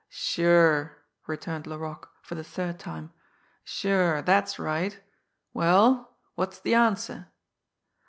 "Sure!" returned Laroque, for the third time. "Sure that's right! Well, what's the answer?"